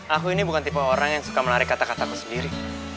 aku ini bukan tipe orang yang suka menarik kata kataku sendiri